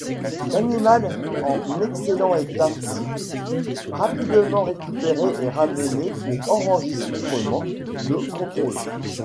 L'animal en excellent état physique, fut rapidement récupéré et ramené pour enregistrements de contrôle.